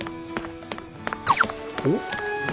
おっ。